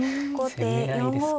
攻め合いですか。